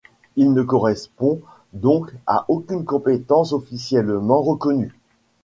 Il ne correspond donc à aucune compétence officiellement reconnue.